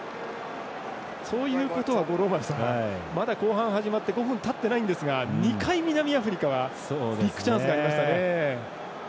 ということは五郎丸さんまだ後半始まって５分たっていないんですが２回、南アフリカはビッグチャンスがありましたね。